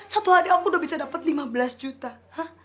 satu hari aku udah bisa dapat lima belas juta